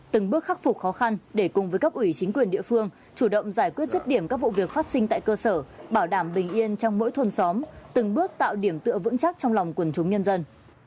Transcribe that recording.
từng bước khắc phục khó khăn để cùng với cấp ủy chính quyền địa phương chủ động giải quyết rứt điểm các vụ việc phát sinh tại cơ sở bảo đảm bình yên trong mỗi thôn xóm từng bước tạo điểm tựa vững chắc trong lòng quần chúng nhân dân